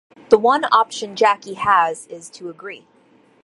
The one option Jackie has is to agree.